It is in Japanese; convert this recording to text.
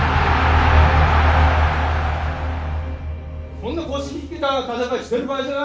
こんな腰引けた戦いしてる場合じゃないよ。